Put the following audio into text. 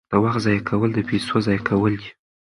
د وخت ضایع کول د پیسو ضایع کول دي.